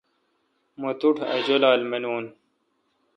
مہ توٹھ اؘ جولال مانون۔